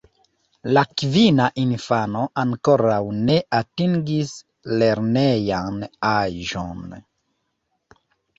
La kvina infano ankoraŭ ne atingis lernejan aĝon.